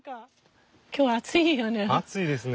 今日暑いよね。